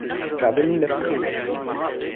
Çavên min nepixîne.